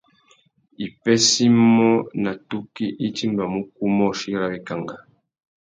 Wipêssê imô nà tukí i timbamú ukúmôchï râ wikangá.